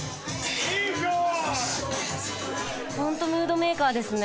ホントムードメーカーですね。